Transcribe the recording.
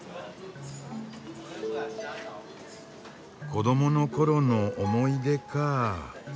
子どもの頃の思い出かぁ。